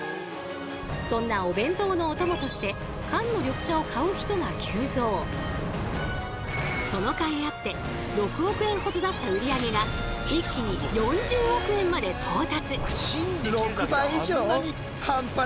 そんなお弁当のお供としてそのかいあって６億円ほどだった売り上げが一気に４０億円まで到達。